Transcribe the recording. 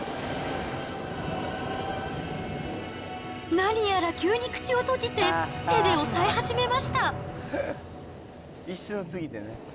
何やら急に口を閉じて、手で押さえ始めました。